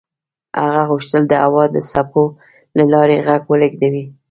هغه غوښتل د هوا د څپو له لارې غږ ولېږدوي.